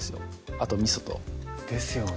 あとみそとですよね